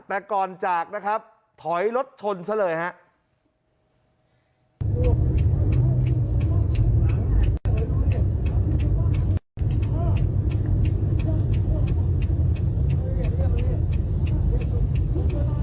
แต่ก่อนจากนะครับถอยรถชนซะเลยครับ